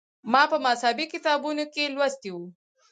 ما په مذهبي کتابونو کې لوستي و.